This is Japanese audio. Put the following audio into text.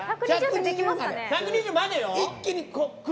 １２０までよ！